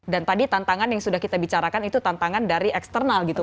dan tadi tantangan yang sudah kita bicarakan itu tantangan dari eksternal gitu